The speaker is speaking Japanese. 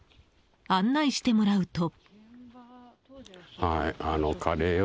案内してもらうと。